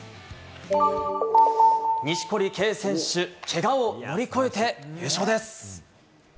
錦織圭選手、けがを乗り越えて優勝です。